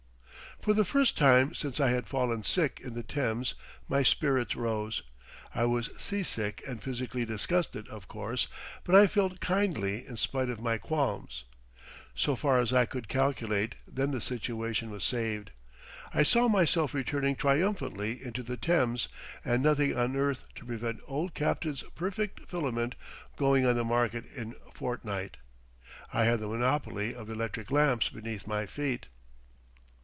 For the first time since I had fallen sick in the Thames my spirits rose. I was sea sick and physically disgusted, of course, but I felt kindly in spite of my qualms. So far as I could calculate then the situation was saved. I saw myself returning triumphantly into the Thames, and nothing on earth to prevent old Capern's Perfect Filament going on the market in fortnight. I had the monopoly of electric lamps beneath my feet.